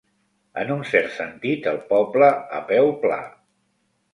En un cert sentit, el poble, a peu pla.